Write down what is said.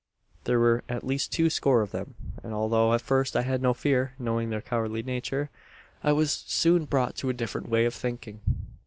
"There were at least two score of them; and although at first I had no fear knowing their cowardly nature I was soon brought to a different way of thinking.